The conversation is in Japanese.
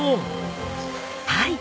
はい。